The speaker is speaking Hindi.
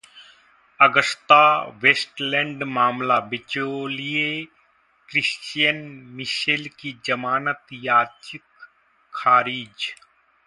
अगस्ता वेस्टलैंड मामला: बिचौलिए क्रिश्चियन मिशेल की जमानत याचिक खारिज